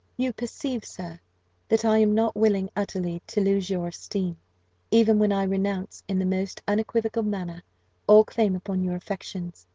"You perceive, sir, that I am not willing utterly to lose your esteem, even when I renounce, in the most unequivocal manner, all claim upon your affections.